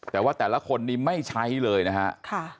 แต่ว่าแต่ละคนไม่ใช้เลยนะครับ